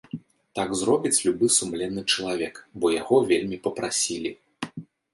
Так зробіць любы сумленны чалавек, бо яго вельмі папрасілі.